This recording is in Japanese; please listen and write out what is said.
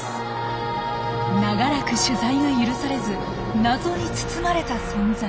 長らく取材が許されず謎に包まれた存在。